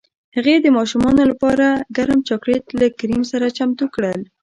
هغې د ماشومانو لپاره ګرم چاکلیټ له کریم سره چمتو کړل